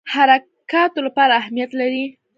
حرکاتو لپاره اهمیت لري.